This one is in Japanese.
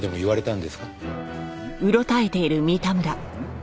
ん？